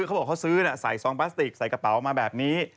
เขาบอกเขาซื้อใส่ซองพลาสติกใส่กระเป๋ามาแบบนี้